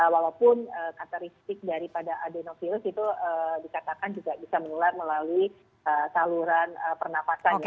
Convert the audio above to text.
walaupun kataristik daripada adenofilus itu disatakan juga bisa mengelar melalui saluran pernapasan